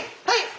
はい！